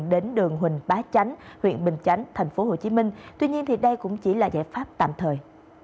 đến đường huỳnh bá chánh huyện bình chánh tp hcm tuy nhiên đây cũng chỉ là giải pháp tạm thời